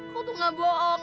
kau tuh gak bohong